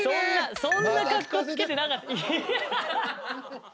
そんなかっこつけてなかった。